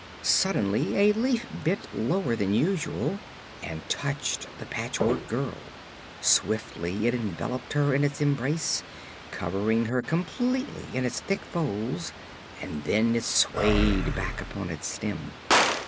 Suddenly a leaf bent lower than usual and touched the Patchwork Girl. Swiftly it enveloped her in its embrace, covering her completely in its thick folds, and then it swayed back upon its stem.